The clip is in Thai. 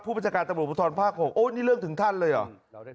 ประชาการตำรวจภูทรภาค๖โอ้นี่เรื่องถึงท่านเลยเหรอ